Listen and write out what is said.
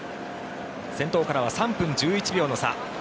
先頭からは３分１１秒の差。